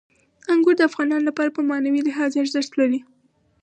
انګور د افغانانو لپاره په معنوي لحاظ ارزښت لري.